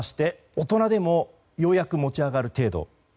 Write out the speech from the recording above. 大人でもようやく持ち上がる程度。